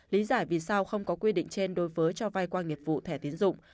lý giải vì sao không có quy định trên đối với cho vai qua nghiệp vụ thẻ tín dụng